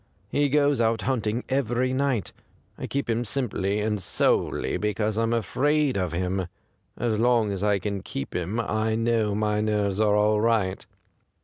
He goes out hunting every night. I keep him simply and solely because I'm afraid of him. As long as I can keep him I know my nerves are all right.